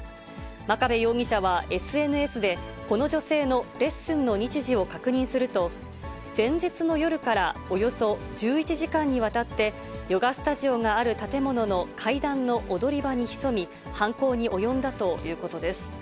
真壁容疑者はＳＮＳでこの女性のレッスンの日時を確認すると、前日の夜からおよそ１１時間にわたって、ヨガスタジオがある建物の階段の踊り場に潜み、犯行に及んだということです。